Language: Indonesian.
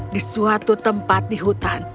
di suatu tempat di hutan